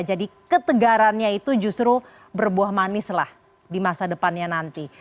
jadi ketegarannya itu justru berbuah manis lah di masa depannya nanti